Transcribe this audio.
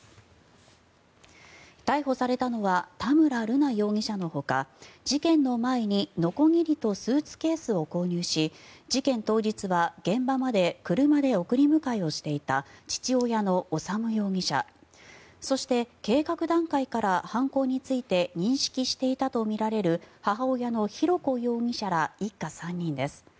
逮捕されたのは田村瑠奈容疑者のほか事件の前にのこぎりとスーツケースを購入し事件当日は現場まで車で送り迎えをしていた父親の修容疑者そして計画段階から犯行について認識していたとみられる母親の浩子容疑者ら一家３人です。